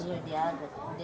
iya di agats